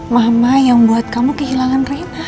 mama yang buat kamu kehilangan rin